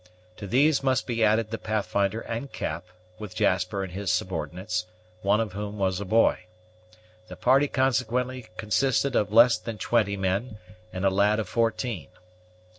To these must be added the Pathfinder and Cap, with Jasper and his subordinates, one of whom was a boy. The party, consequently, consisted of less than twenty men, and a lad of fourteen.